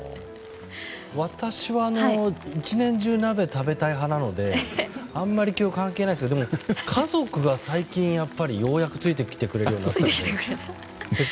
私は１年中鍋を食べたい派なのであんまり気温に関係ないですがでも、家族が最近ようやくついてきてくれるようになった。